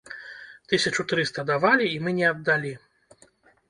Тысячу трыста давалі, і мы не аддалі.